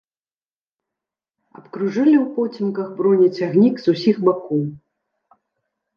Абкружылі ўпоцемках бронецягнік з усіх бакоў.